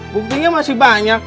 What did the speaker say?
buktinya masih banyak